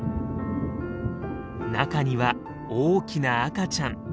中には大きな赤ちゃん。